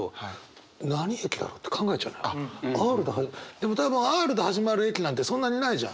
でも多分Ｒで始まる駅なんてそんなにないじゃん。